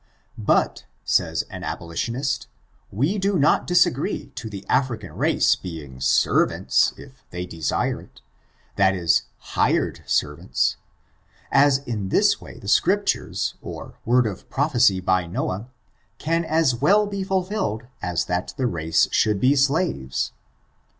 But, says an abolitionist, we do not disagree to the AiHcan race being servatUSj if thejf desire it — that is^ Atreot servants — as in this way the Scriptures, or word of prophesy by Noah, can as well be fulfilled as that the race should be slaves.